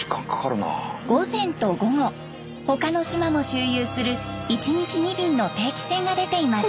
午前と午後他の島も周遊する１日２便の定期船が出ています。